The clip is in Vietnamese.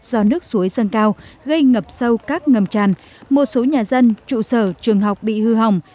do nước suối dâng cao gây ngập sâu các ngầm tràn một số nhà dân trụ sở trường học bị hư hỏng